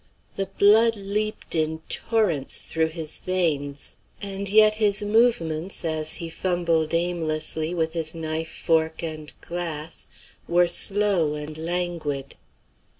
The blood leaped in torrents through his veins, and yet his movements, as he fumbled aimlessly with his knife, fork, and glass, were slow and languid.